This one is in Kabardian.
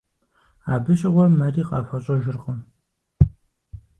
Абы щыгъуэ мэри къахуэщӀэжыркъым.